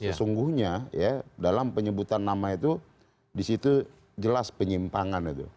sesungguhnya ya dalam penyebutan nama itu disitu jelas penyimpangan itu